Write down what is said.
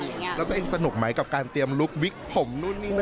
แล้วตัวเองสนุกไหมกับการเตรียมลุควิกผมนู่นนี่นั่น